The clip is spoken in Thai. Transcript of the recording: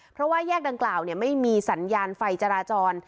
เพราะว่าแยกดังกล่าวไม่มีสัญญาณไฟจราจร